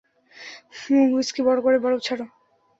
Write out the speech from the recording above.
Whisky, বড়ো করে, বরফ ছাড়া।